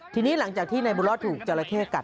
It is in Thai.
ทีนี้หลังจากที่ในบุรสถูกจอลาเข้กัด